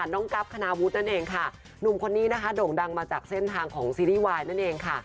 โด่งดังมาจากเส้นทางของซีรีส์วายด์นั่นเองค่ะ